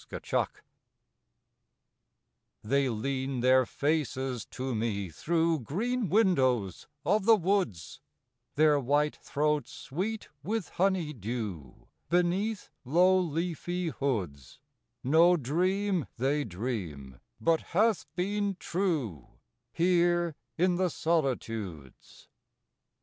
SECOND SIGHT They lean their faces to me through Green windows of the woods; Their white throats sweet with honey dew Beneath low leafy hoods No dream they dream but hath been true Here in the solitudes.